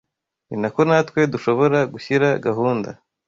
ni na ko natwe dushobora gushyira gahunda